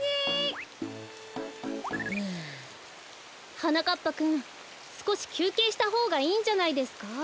はなかっぱくんすこしきゅうけいしたほうがいいんじゃないですか？